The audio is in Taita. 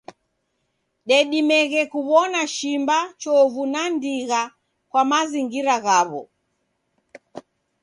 Dedimeghe kuwona shimba, chovu, na ndigha kwa mazingira ghawo.